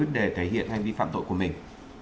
để thể hiện hành vi phạm tội của mình